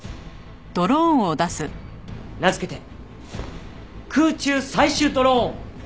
名付けて空中採取ドローン！